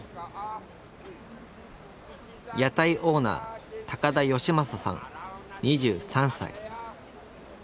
屋台オーナー高田吉昌さん２３歳。